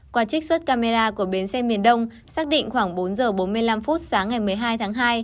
qua trích xuất camera của bến xe miền đông xác định khoảng bốn h bốn mươi năm phút sáng ngày một mươi hai tháng hai